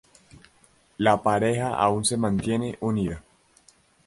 La pareja aún se mantiene unida.